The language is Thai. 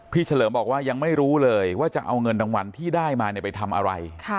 เฉลิมบอกว่ายังไม่รู้เลยว่าจะเอาเงินรางวัลที่ได้มาไปทำอะไร